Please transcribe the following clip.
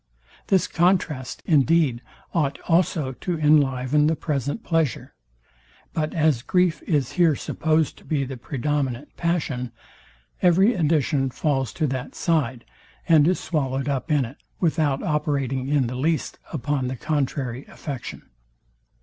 This contrast, indeed, ought also to inliven the present pleasure. But as grief is here supposed to be the predominant passion, every addition falls to that side, and is swallowed up in it, without operating in the least upon the contrary affection.